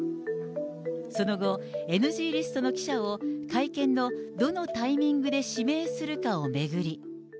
その後、ＮＧリストの記者を会見のどのタイミングで指名するかを巡り。